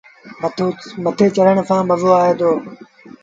مٿي چڙڄڻ سآݩ مزو آئي دو۔